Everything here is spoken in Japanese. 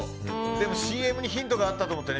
でもＣＭにヒントがあったと思って。